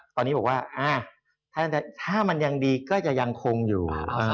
ตอนนี้บอกว่าถ้ามันยังดีก็จะยังคงอยู่